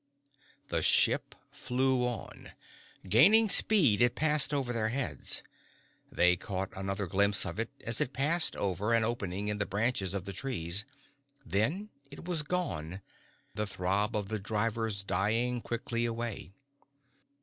The ship flew on. Gaining speed, it passed over their heads. They caught another glimpse of it as it passed over an opening in the branches of the trees. Then it was gone, the throb of the drivers dying quickly away.